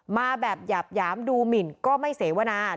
มาแบบหยาบหยามดูหมินก็ไม่เสวนา